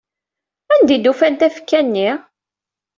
Anda ay d-ufan tafekka-nni?